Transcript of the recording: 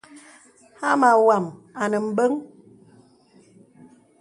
Hāmá wàm ànə bəŋ.